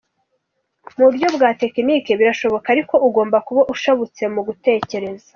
"Mu buryo bwa tekinike birashoboka, ariko ugomba kuba ushabutse mu gutekereza.